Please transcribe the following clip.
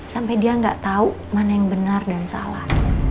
sampai dia gak tau mana yang benar dan salah